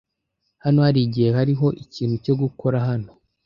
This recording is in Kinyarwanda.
Hano harigihe hariho ikintu cyo gukora hano.